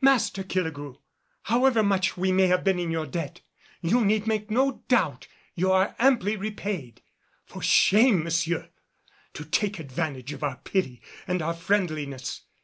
"Master Killigrew, however much we may have been in your debt, you need make no doubt, you are amply repaid. For shame, monsieur! To take advantage of our pity and our friendliness!